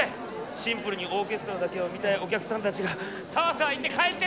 シンプルにオーケストラだけを見たいお客さんたちがさわさわ言って帰ってる！